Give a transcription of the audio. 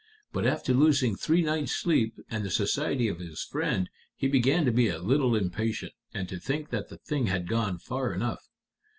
But after losing three nights' sleep and the society of his friend, he began to be a little impatient, and to think that the thing had gone far enough.